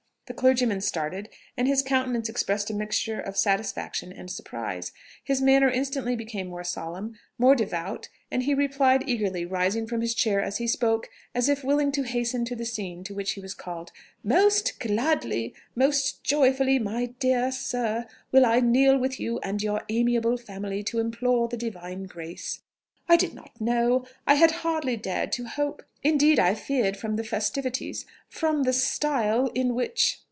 The clergyman started, and his countenance expressed a mixture of satisfaction and surprise, his manner instantly became more solemn more devout, and he replied eagerly, rising from his chair as he spoke, as if willing to hasten to the scene to which he was called, "Most gladly most joyfully, my dear sir, will I kneel with you and your amiable family to implore the Divine grace. I did not know.... I had hardly dared to hope.... Indeed I feared from the festivities ... from the style in which...."